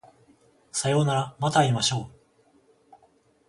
さようならまた会いましょう